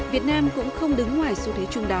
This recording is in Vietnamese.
việt nam cũng không đứng ngoài xu thế chung đó